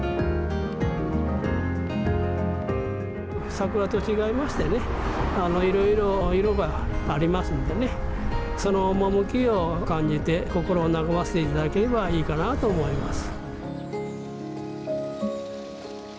桜と違いましてねいろいろ色がありますのでその趣を感じて心和ませていただければいいかなと思います。